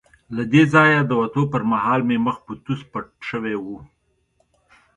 له دې ځایه د وتو پر مهال مې مخ په توس پټ شوی وو.